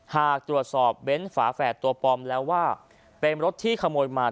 หากตรวจสอบเบนท์ฝาแฝดตัวปลอมแล้วว่าเป็นรถที่ขโมยมา